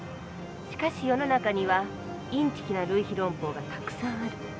しかし世の中にはインチキな類比論法がたくさんある。